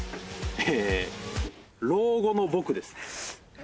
老後の僕です。